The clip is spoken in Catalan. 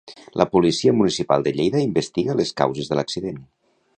La Policia Municipal de Lleida investiga les causes de l'accident.